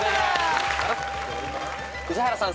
宇治原さん